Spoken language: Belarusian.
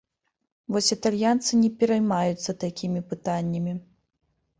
Вось італьянцы не пераймаюцца такімі пытаннямі.